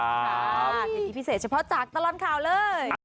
เป็นที่พิเศษเฉพาะจากตลอดข่าวเลย